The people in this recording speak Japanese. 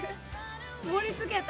盛りつけた！